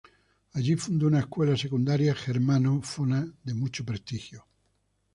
Allí fundó una escuela secundaria germanófona de mucho prestigio.